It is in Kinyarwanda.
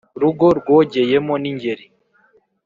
Rugo rwogeyemo n' Ingeri